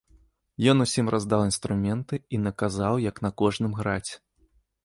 Ён усім раздаў інструменты і наказаў, як на кожным граць.